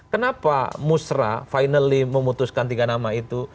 kenapa musrah finally memutuskan tiga nama itu